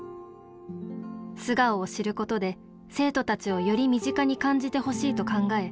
素顔を知ることで生徒たちをより身近に感じてほしいと考え